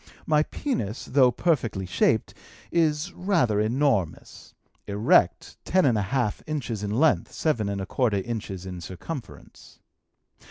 My penis, though perfectly shaped, is rather enormous erect, ten and a half inches in length, seven and a quarter inches in circumference.